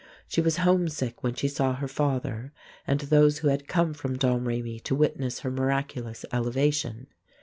She was homesick when she saw her father and those who had come from Domrémy to witness her miraculous elevation.